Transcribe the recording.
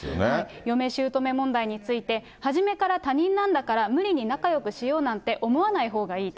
嫁しゅうとめ問題について、初めから他人なんだから、無理に仲よくしようなんて思わないほうがいいと。